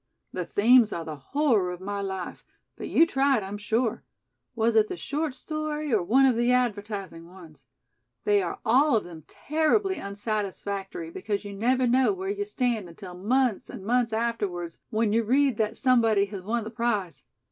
The themes are the horror of my life. But you tried, I am sure. Was it the short story or one of the advertising ones? They are all of them terribly unsatisfactory because you never know where you stand until months and months afterwards when you read that somebody has won the prize.